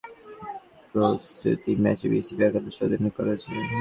ইংল্যান্ডের বিপক্ষে একটি দুই দিনের প্রস্তুতি ম্যাচে বিসিবি একাদশের অধিনায়ক করা হয়েছে।